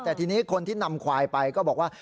แต่ทีนี้คนที่นำควายไปก็บอกว่า